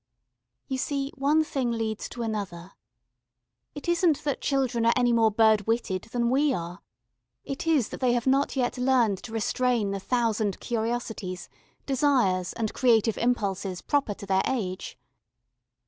You see one thing leads to another. It isn't that children are any more bird witted than we are: it is that they have not yet learned to restrain the thousand curiosities, desires, and creative impulses proper to their age.